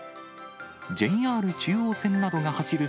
ＪＲ中央線などが走る